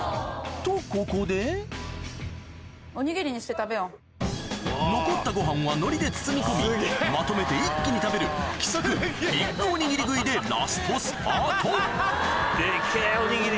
とここで残ったご飯はのりで包み込みまとめて一気に食べる奇策ビッグおにぎり食いでラストスパートデケェおにぎり。